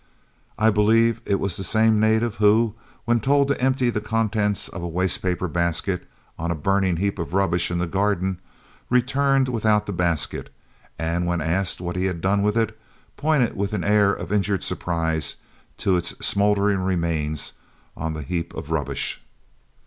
I believe it was the same native who, when told to empty the contents of a waste paper basket on a burning heap of rubbish in the garden, returned without the basket, and when asked what he had done with it, pointed, with an air of injured surprise, to its smouldering remains on the heap of rubbish.